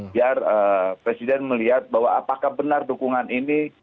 biar presiden melihat bahwa apakah benar dukungan ini